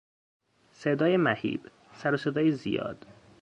صدای مهیب، سروصدای زیاد